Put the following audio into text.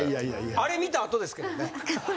あれ見た後ですけどね。